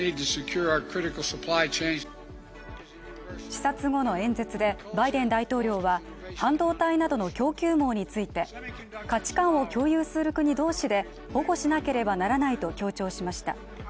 視察後の演説で、バイデン大統領は半導体などの供給網について価値観を共有する国同士で保護しなければならないと強調しました。